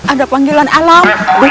ada panggilan alam